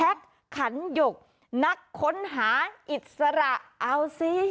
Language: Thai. แพ็คขันหยกนักค้นหาอิสระเอ้าซิ